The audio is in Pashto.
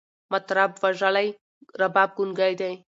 مطرب وژلی، رباب ګونګی دی